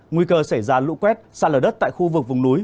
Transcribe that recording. nguy cơ xảy ra lũ quét xa lở đất tại khu vực vùng núi